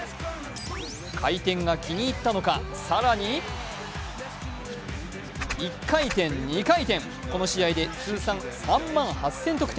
回転が気に入ったのか更に１回転、２回転、この試合で通算３万８０００得点。